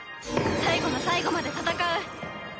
最後の最後まで戦う。